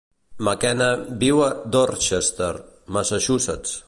McKenna viu a Dorchester, Massachusetts.